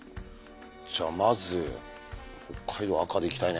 じゃあまず北海道赤でいきたいね。